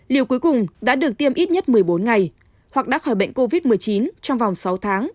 liều cuối cùng đã được tiêm ít nhất một mươi bốn ngày hoặc đã khỏi bệnh covid một mươi chín trong vòng sáu tháng